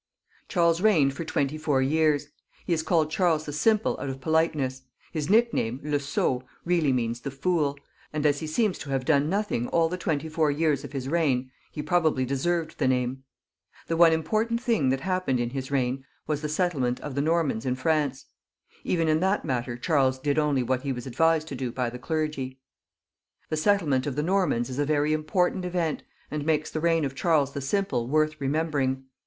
Charles reigned for twenty four years. He is called ^Charles the Simple out of politeness ; his nickname, Le Sot, really means the Fool, and as he seems to have done nothing all the twenty four years of his reign, he prob ably deserved the name. The one important thing that happened in his reign was the settlement of the Normans 54 THE LAST CARLOVINGIAN KINGS. [CH. in Prance. Even in that matter Charles did only what he was advised to do by the clergy. The settlement of the Normans is a very important event, and makes the reign of Charles* the Simple worth remembering.